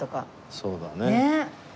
そうだね。